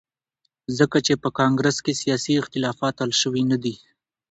ځکه چې په کانګرس کې سیاسي اختلافات حل شوي ندي.